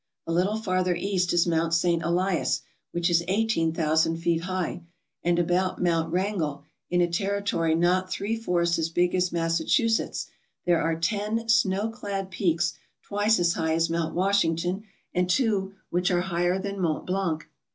A little farther east is Mount St. Elias, which is eighteen thousand feet high, and about Mount Wran gell, in a territory not three fourths as big as Massachu setts, there are ten snow clad peaks twice as high as Mount Washington and two which are higher than Mont Blanc.